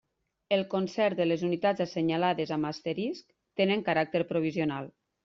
El concert de les unitats assenyalades amb asterisc tenen caràcter provisional.